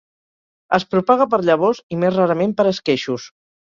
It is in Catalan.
Es propaga per llavors i més rarament per esqueixos.